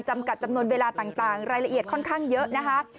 กัดจำนวนเวลาต่างรายละเอียดค่อนข้างเยอะนะคะ